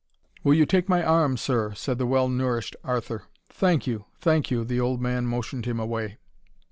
"Will you take my arm, Sir?" said the well nourished Arthur. "Thank you, thank you," the old man motioned him away.